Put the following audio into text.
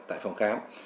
tại phòng khám